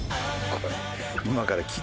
これ。